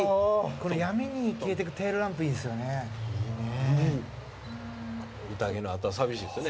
これ、闇に消えてくテールランプいいですよね。